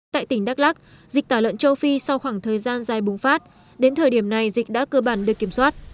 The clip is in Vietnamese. tại tỉnh đắk lắc dịch tả lợn châu phi sau khoảng thời gian dài bùng phát đến thời điểm này dịch đã cơ bản được kiểm soát